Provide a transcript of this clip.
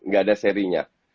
gak ada serinya